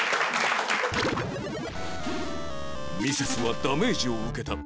ミセスはダメージを受けた